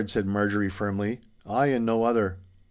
said Marjorie, firmly. 'I, and no other!